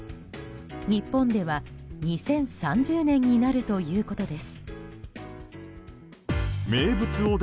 日本では、２０３０年になるということです。